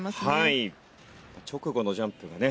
直後のジャンプがね